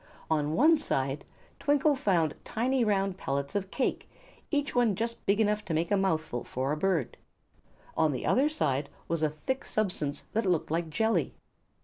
On one side Twinkle found tiny round pellets of cake, each one just big enough to make a mouthful for a bird. On the other side was a thick substance that looked like jelly.